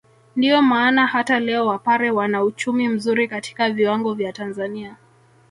Ndio maana hata leo wapare wana uchumi mzuri katika viwango vya Tanzania